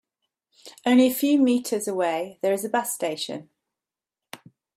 Only a few meters away there is a bus station.